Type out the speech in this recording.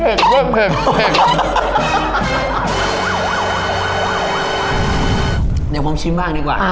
อร่อยเชียบแน่นอนครับอร่อยเชียบแน่นอนครับ